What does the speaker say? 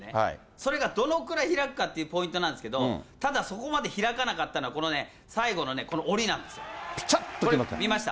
それがどのぐらい開くかっていうポイントなんですけど、ただそこまで開かなかったのは、このね、最後のね、ぴたっと決まった。